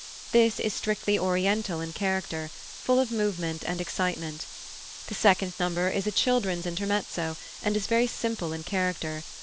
This is strictly Oriental in character, full of movement and excitement. The second number is a "Children's Intermezzo," and is very simple in character.